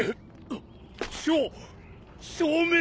あっ！